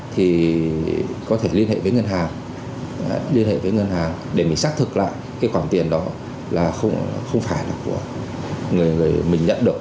thì có thể liên hệ với ngân hàng để mình xác thực lại cái khoản tiền đó là không phải là của người mình nhận được